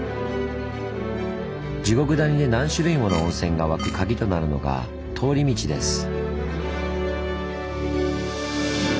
地獄谷で何種類もの温泉が湧く鍵となるのが「通り道」です。